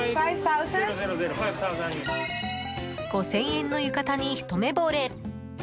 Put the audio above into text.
５０００円の浴衣にひと目惚れ。